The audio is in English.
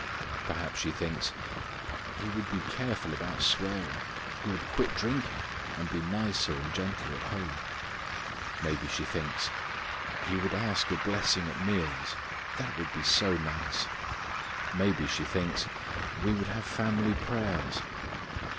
Perhaps she thinks: "He would be careful about swearing; he would quit drinking; and be nicer and gentler at home." Maybe she thinks: "He would ask a blessing at the meals; that would be so nice." Maybe she thinks: "We would have family prayers."